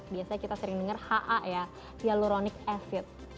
biasanya kita sering dengar ha ya hyaluronic efit